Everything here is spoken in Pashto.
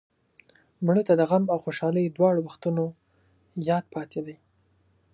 مړه ته د غم او خوشحالۍ دواړو وختونو یاد پاتې دی